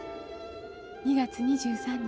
２月２３日